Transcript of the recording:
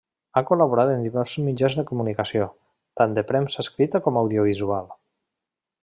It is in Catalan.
Ha col·laborat en diversos mitjans de comunicació, tant de premsa escrita com audiovisual.